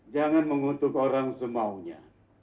jangan mengutuk orang semaunya